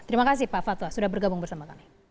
terima kasih pak fatwa sudah bergabung bersama kami